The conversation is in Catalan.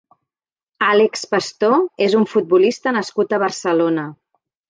Álex Pastor és un futbolista nascut a Barcelona.